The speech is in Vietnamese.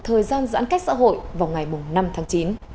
thời gian giãn cách xã hội vào ngày năm tháng chín